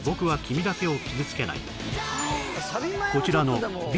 こちらのＢ